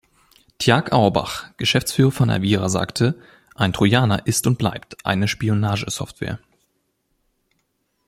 Tjark Auerbach, Geschäftsführer von Avira sagte: „Ein Trojaner ist und bleibt eine Spionage-Software“.